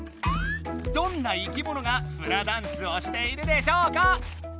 どんな生き物がフラダンスをしているでしょうか？